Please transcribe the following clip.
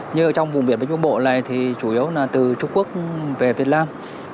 như ở trong vùng biển bến trung bộ này thì chủ yếu là từ trung quốc về việt nam